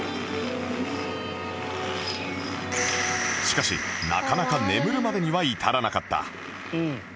しかしなかなか眠るまでには至らなかった